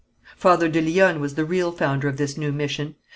Father de Lyonne was the real founder of this new mission.